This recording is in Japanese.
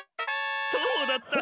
そうだった。